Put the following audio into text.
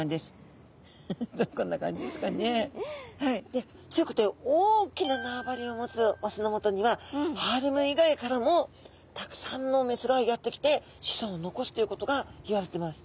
で強くて大きな縄張りを持つオスのもとにはハーレム以外からもたくさんのメスがやってきて子孫を残すということがいわれてます。